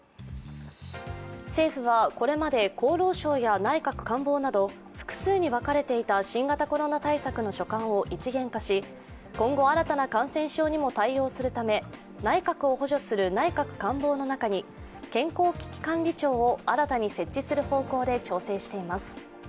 政府はこれまで厚労省や内閣官房など複数に分かれていた新型コロナ対策の所管を一元化し今後、新たな感染症にも対応するため内閣を補助する内閣官房の中に健康危機管理庁を新たに設置する方向で調整しています。